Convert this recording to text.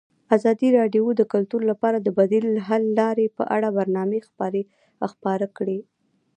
ازادي راډیو د کلتور لپاره د بدیل حل لارې په اړه برنامه خپاره کړې.